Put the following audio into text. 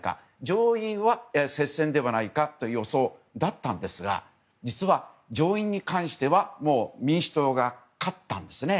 上院は接戦ではないかという予想だったんですが実は上院に関してはもう民主党が勝ったんですね。